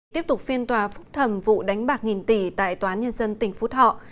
tiếp tục phiên tòa phúc thẩm vụ đánh bạc nghìn tỷ tại toán nhân dân tỉnh phú thọ